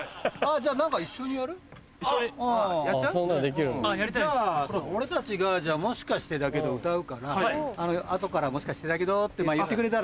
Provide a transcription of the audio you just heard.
じゃあ俺たちが『もしかしてだけど』歌うから後から「もしかしてだけど」って言ってくれたら。